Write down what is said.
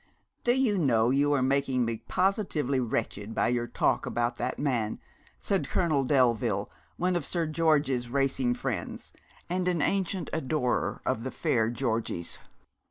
'Do you know you are making me positively wretched by your talk about that man?' said Colonel Delville, one of Sir George's racing friends, and an ancient adorer of the fair Georgie's.